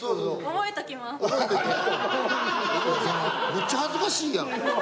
めっちゃ恥ずかしいやん。